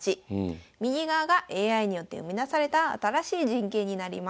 右側がＡＩによって生み出された新しい陣形になります。